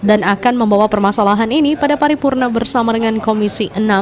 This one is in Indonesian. dan akan membawa permasalahan ini pada paripurna bersama dengan komisi enam